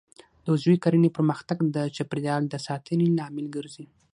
د عضوي کرنې پرمختګ د چاپیریال د ساتنې لامل ګرځي.